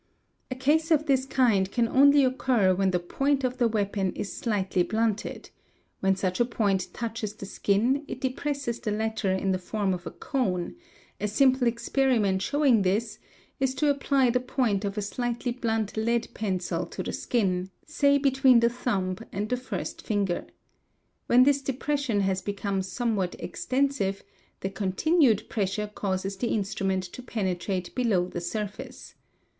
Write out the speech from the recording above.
A case of this kind can only occur when the . point of the weapon is slightly blunted; when such a point touches the — skin, it depresses the latter in the form of a cone; a simple experiment showing this is to apply the point of a slightly blunt lead pencil to the — skin, say between the thumb and the first finger. When this depression has become somewhat extensive, the continued pressure causes the in — strument to penetrate below the surface.